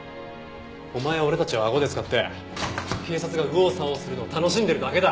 お前は俺たちをあごで使って警察が右往左往するのを楽しんでるだけだ。